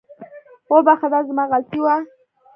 وبخښه، دا زما غلطي وه